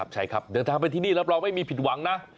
ใช่ครับเดินทางไปที่นี่รับรองไม่มีผิดหวังนะ